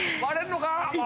割れんのか？